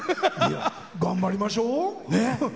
頑張りましょう。